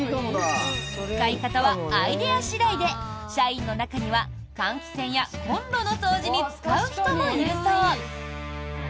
使い方はアイデア次第で社員の中には換気扇やコンロの掃除に使う人もいるそう。